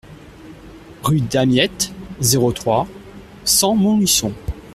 Rue Damiette, zéro trois, cent Montluçon